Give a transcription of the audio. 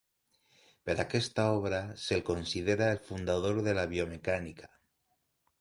Per aquesta obra se'l considera el fundador de la Biomecànica.